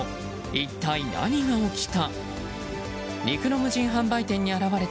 一体何が起きた？